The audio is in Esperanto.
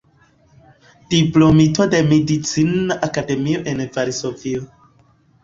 Diplomito de Medicina Akademio en Varsovio.